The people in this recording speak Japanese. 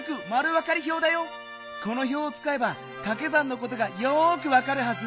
この表をつかえばかけ算のことがよくわかるはず。